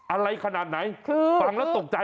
อะไรขนาดไหนคือฟังแล้วตกใจ